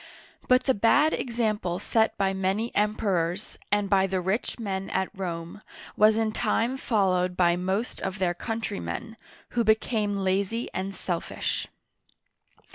But the bad example set by many Emperors, and by the rich men at Rome, was in time followed by most of their countrymen, who becan^e lazy and selfish.